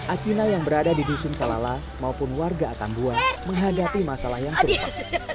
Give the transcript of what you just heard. akina yang berada di dusun salala maupun warga atambua menghadapi masalah yang serupa